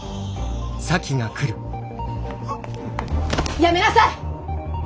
やめなさい！